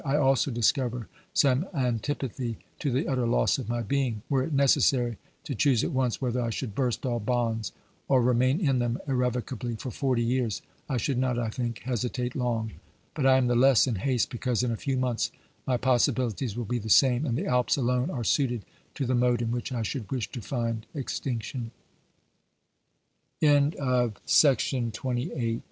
I also discover some antipathy to the utter loss of my being. Were it necessary to choose at once whether I should burst all bonds or remain in them irrevocably for forty years, I should not, I think, hesitate long; but I am the less in haste, because in a few months my possibilities will be the same, and the Alps alone are suited to the mode in which I s